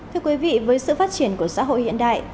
thưa quý vị với sự phát triển của xã hội hiện đại